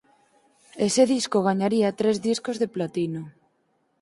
Ese disco gañaría tres discos de platino.